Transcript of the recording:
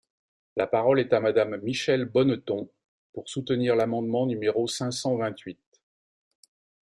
La parole est à Madame Michèle Bonneton, pour soutenir l’amendement numéro cinq cent vingt-huit.